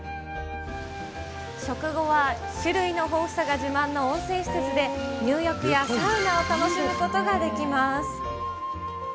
食後は種類の豊富さが自慢の温泉施設で、入浴やサウナを楽しむことができます。